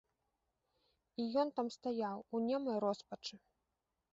І ён там стаяў у немай роспачы.